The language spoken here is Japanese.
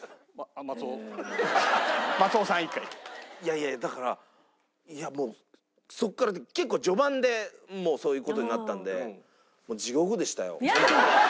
いやいやだからいやもうそこから結構序盤でもうそういう事になったのでもう地獄でしたよ。